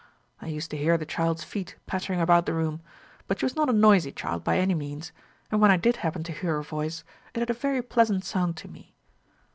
I used to hear the child's feet pattering about the room; but she was not a noisy child by any means; and when I did happen to hear her voice, it had a very pleasant sound to me.